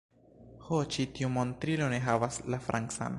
Ho ĉi tiu montrilo ne havas la francan